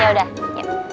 ya udah yuk